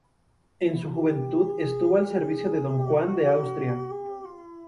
En su juventud estuvo al servicio de don Juan de Austria.